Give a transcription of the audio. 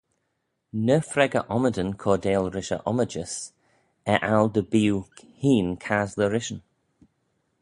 Ny freggyr ommydan cordail rish e ommijys, er-aggle dy bee oo hene casley rishyn.